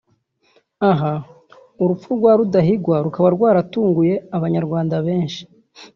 Aha urupfu rwa Rudahigwa rukaba rwaratunguye Abanyarwanda benshi